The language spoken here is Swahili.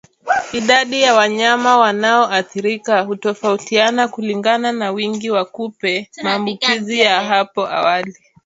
Idadi ya wanyama wanaoathirika hutofautiana kulingana na wingi wa kupe maambukizi ya hapo awali